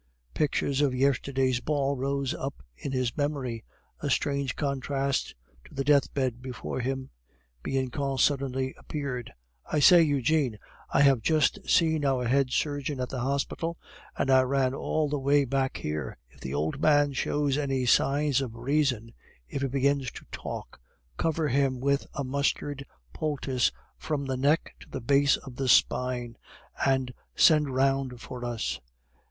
Pictures of yesterday's ball rose up in his memory, in strange contrast to the deathbed before him. Bianchon suddenly appeared. "I say, Eugene, I have just seen our head surgeon at the hospital, and I ran all the way back here. If the old man shows any signs of reason, if he begins to talk, cover him with a mustard poultice from the neck to the base of the spine, and send round for us."